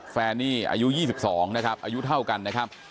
แฟนนี่อายุ๒๒นะครับอายุเท่ากันนะครับ